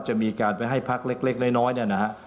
จะมีการไปให้พักเล็กน้อยเนี่ยนะฮะ